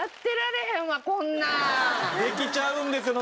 できちゃうんですよ